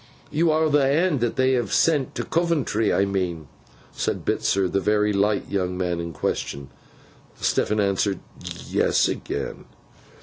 'You are the Hand they have sent to Coventry, I mean?' said Bitzer, the very light young man in question. Stephen answered 'Yes,' again.